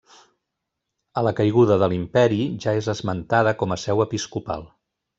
A la caiguda de l'Imperi ja és esmentada com a seu episcopal.